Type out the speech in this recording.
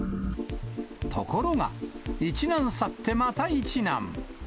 ところが、一難去ってまた一難。